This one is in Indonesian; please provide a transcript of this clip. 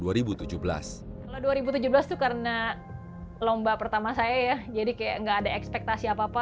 kalau dua ribu tujuh belas itu karena lomba pertama saya ya jadi kayak nggak ada ekspektasi apa apa